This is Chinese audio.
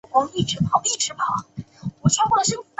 把两个女儿一起带走